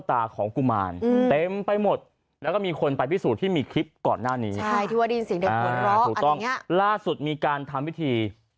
อันนี้ที่ประจีนนะประจีนบุรี